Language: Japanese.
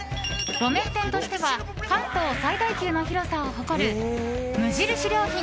路面店としては関東最大級の広さを誇る無印良品